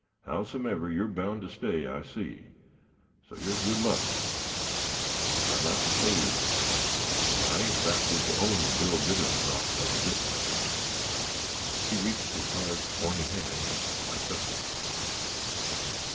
Howsumever you're bound to stay, I see, so yer's good luck. I'd like to stay with you, but I ain't backward to own Bill Biddon knocks under this time." He reached his hard, horny hand, and I took it.